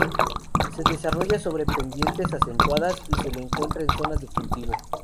Se desarrolla sobre pendientes acentuadas y se le encuentra en zonas de cultivo.